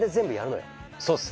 そうっすね。